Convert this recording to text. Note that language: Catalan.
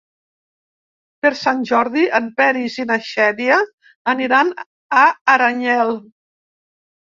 Per Sant Jordi en Peris i na Xènia aniran a Aranyel.